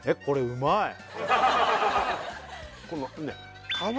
これうまい！